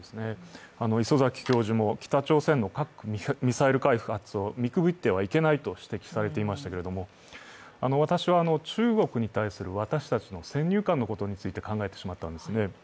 礒崎教授も北朝鮮の核・ミサイル開発を見くびってはいけないと指摘されていましたけれども、私は中国に対する私たちの先入観のことについて考えてしまったんですね。